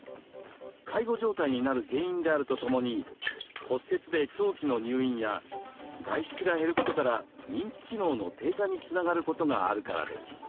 介護状態になる原因であるとともに骨折で長期の入院や外出が減ることから認知機能の低下につながることがあるからです。